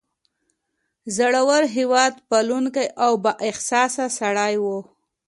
زړور، هیواد پالونکی او با احساسه سړی و.